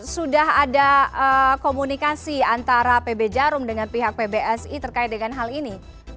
sudah ada komunikasi antara pb jarum dengan pihak pbsi terkait dengan hal ini